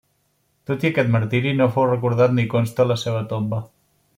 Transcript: Tot i aquest martiri, no fou recordat ni consta la seva tomba.